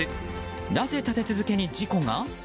なぜ立て続けに事故が？